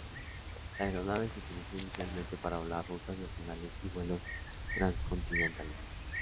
La aeronave se utilizó inicialmente para volar rutas nacionales y vuelos transcontinentales.